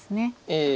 ええ。